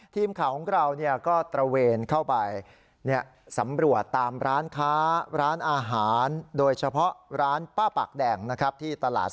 ทีมข่าวของเราก็ตระเวนเข้าไป